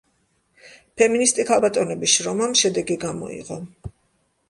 ფემინისტი ქალბატონების შრომამ შედეგი გამოიღო.